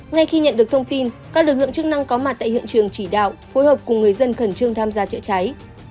ngay khi nhận được thông tin các lực lượng chức năng có mặt tại hiện trường chỉ đạo phối hợp cùng người dân khẩn trương tham gia chữa cháy